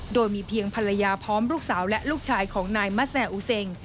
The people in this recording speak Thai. โดยมีเพียงภรรยาพร้อมลูกสาวและลูกชายของนายมะแซ่อูเซ็ง